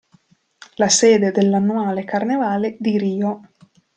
La sede dell'annuale carnevale di Rio.